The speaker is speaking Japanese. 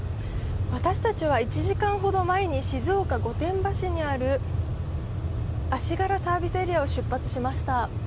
私たちは１時間ほど前に静岡・御殿場市にある足柄サービスエリアを出発しました。